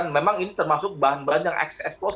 memang ini termasuk bahan bahan yang expose